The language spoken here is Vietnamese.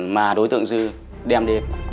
mà đối tượng dư đem đi